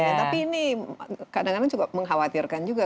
tapi ini kadang kadang juga mengkhawatirkan juga